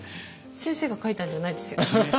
先生が書いたんじゃないですよね？